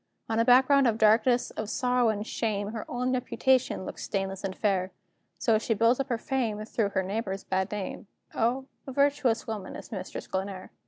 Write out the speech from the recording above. On a background of darkness, of sorrow and shame, Her own reputation looks stainless and fair; So she builds up her fame, through her neighbors' bad name: O, a virtuous woman is Mistress Glenare!